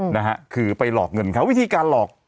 นะฮะคือไปหลอกเงินเขาวิธีการหลอก